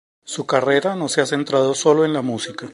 Su carrera no se ha centrado solo en la música.